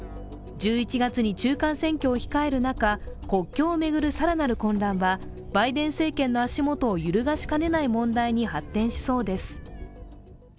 １１月に中間選挙を控える中、国境を巡る更なる混乱はバイデン政権の足元を揺るがしかねない問題に発展しそうです。